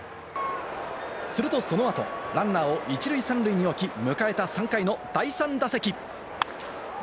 すると、その後、ランナーを１塁３塁に置き、迎えた３回の第３打席。